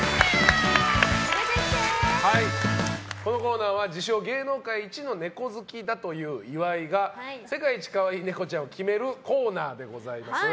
このコーナーは自称芸能界イチのネコ好きだという岩井が世界一可愛いネコちゃんを決めるコーナーでございます。